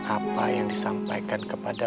apa yang disampaikan kepada